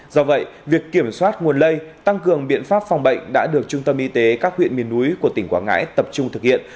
do vậy việc kiểm soát nguồn lây tăng cường biện pháp phòng bệnh đã được trung tâm y tế các huyện miền núi của tỉnh quảng ngãi tập trung thực hiện